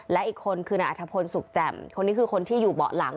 และอีกคนคือนายอัธพลสุขแจ่มคนนี้คือคนที่อยู่เบาะหลัง